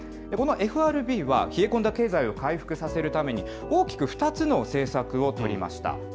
このＦＲＢは、冷え込んだ経済を回復させるために、大きく２つの政策を取りました。